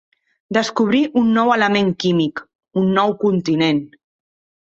Descobrir un nou element químic, un nou continent.